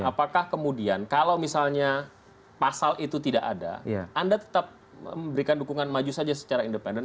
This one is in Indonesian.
apakah kemudian kalau misalnya pasal itu tidak ada anda tetap memberikan dukungan maju saja secara independen